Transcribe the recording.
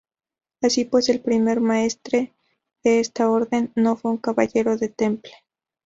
Así pues, el primer maestre de esta Orden no fue un caballero del Temple.